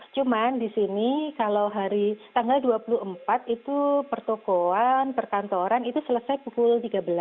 cuman di sini kalau hari tanggal dua puluh empat itu pertokoan perkantoran itu selesai pukul tiga belas